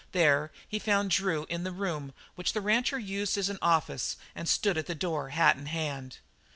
There he found Drew in the room which the rancher used as an office, and stood at the door hat in hand.